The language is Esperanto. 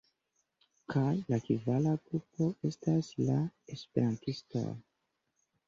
Kaj la kvara grupo estas la esperantistoj.